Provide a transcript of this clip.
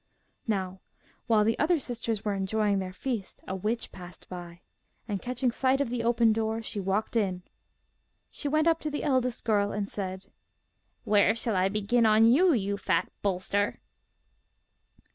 Now, while the other sisters were enjoying their feast, a witch passed by, and catching sight of the open door, she walked in. She went up to the eldest girl, and said: 'Where shall I begin on you, you fat bolster?